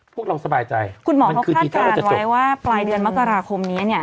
พวกเราสบายใจคุณหมอเขาคาดการณ์ไว้ว่าปลายเดือนมกราคมนี้เนี่ย